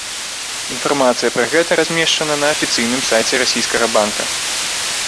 Інфармацыя пра гэта размешчана на афіцыйным сайце расійскага банка.